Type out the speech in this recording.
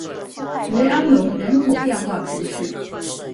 雷阿隆人口变化图示